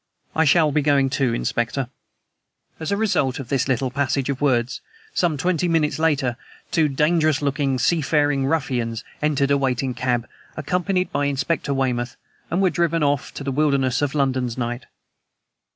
I shall be going, too, Inspector." As a result of this little passage of words, some twenty minutes later two dangerous looking seafaring ruffians entered a waiting cab, accompanied by Inspector Weymouth, and were driven off into the wilderness of London's night.